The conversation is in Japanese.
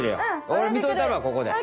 おれみといたるわここで。